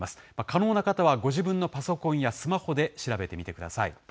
可能な方はご自分のパソコンやスマホで調べてみてください。